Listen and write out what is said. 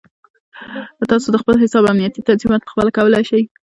تاسو د خپل حساب امنیتي تنظیمات پخپله کولی شئ.